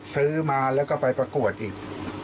ซื้อมาแล้วก็ไปประกวดอีก